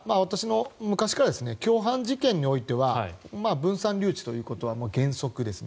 昔から共犯事件においては分散留置ということは原則ですね。